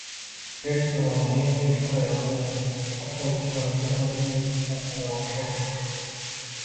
Hech bir onaga, hech bir ayolga, hatto dushmanimga ham bunday qismatni ravo ko`rmayman